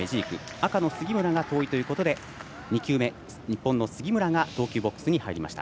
赤の杉村が遠いということで２球目、日本の杉村が投球ボックスに入りました。